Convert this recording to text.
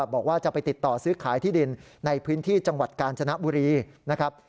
บอกว่าจะไปติดต่อซื้อขายที่ดินในพื้นที่จังหวัดกาญจนบุรีนะครับ